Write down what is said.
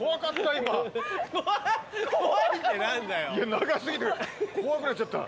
長過ぎて怖くなっちゃった。